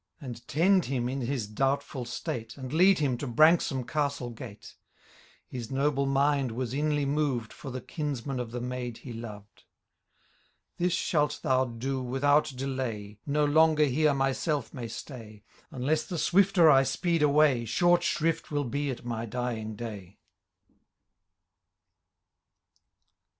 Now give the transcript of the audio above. And tend him in his doubtful state. And lead him to Branksome castle gate : His noble mind was inly moved For the kinsman of the maid he loved. ^* This shalt thou do without delay : No longer here myself may stay ; Unless the swifter I speed away. Short shrift will be at my dying day."